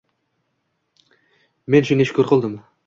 Men shunga shukr qildim.